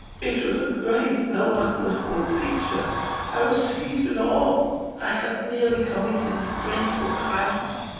"It was a great, a wonderful picture. I was seized with awe. I had nearly committed a dreadful crime.